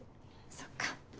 そっか。